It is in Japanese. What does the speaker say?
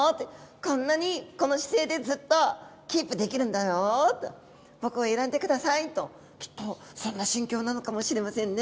こんなにこの姿勢でずっとキープできるんだよと僕を選んでくださいときっとそんな心境なのかもしれませんね。